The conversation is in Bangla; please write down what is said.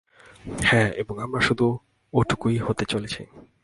হ্যাঁ, এবং আমরা শুধু এটুকুই হতে চলেছি।